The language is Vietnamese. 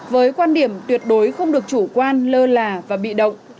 với quan điểm tuyệt đối không được chủ quan lơ là và bị động